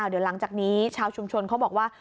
เดี๋ยวหลังจากนี้ชาวชุมชนเขาบอกว่า